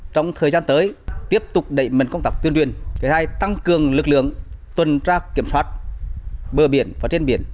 trong thời gian tới tiếp tục đẩy mình công tác tuyên truyền tăng cường lực lượng tuần tra kiểm soát bờ biển và trên biển